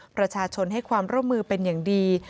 ประชาชนให้ความร่วมมือเป็นอย่างดี